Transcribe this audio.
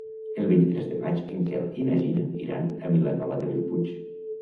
El vint-i-tres de maig en Quel i na Gina iran a Vilanova de Bellpuig.